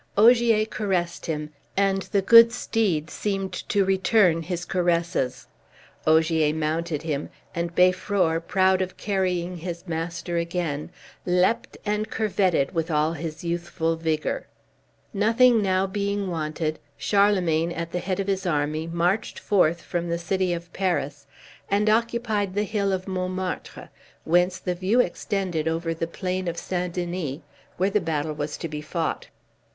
Ogier caressed him, and the good steed seemed to return his caresses; Ogier mounted him, and Beiffror, proud of carrying his master again, leapt and curvetted with all his youthful vigor. Nothing being now wanted, Charlemagne, at the head of his army, marched forth from the city of Paris, and occupied the hill of Montmartre, whence the view extended over the plain of St. Denis, where the battle was to be fought.